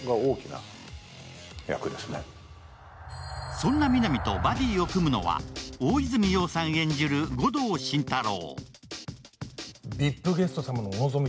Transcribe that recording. そんな皆実とバディを組むのは大泉洋さん演じる護道心太朗。